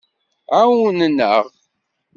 Ɛawnen-aɣ.